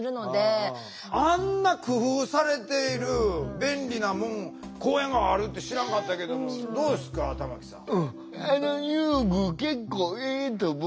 あんな工夫されている便利な公園があるって知らんかったけどもどうですか玉木さん。